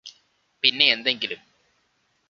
പിന്നെയെന്തങ്കിലും